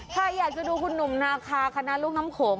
ใครอยากจะดูคุณหนุ่มนาคาคณะลูกน้ำโขง